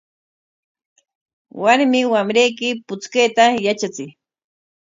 Warmi wamrayki puchkayta yatrachiy.